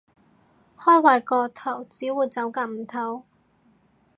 開壞個頭，只會走夾唔唞